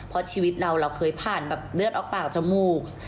เพราะชีวิตเราเราเคยผ่านแบบเลือดออกปากจมูก